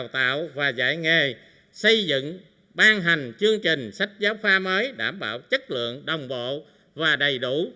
tạo và dạy nghề xây dựng ban hành chương trình sách giáo khoa mới đảm bảo chất lượng đồng bộ và đầy đủ